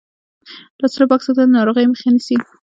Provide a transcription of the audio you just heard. لاسونه پاک ساتل د ناروغیو مخه نیسي.